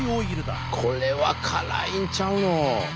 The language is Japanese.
これは辛いんちゃうの？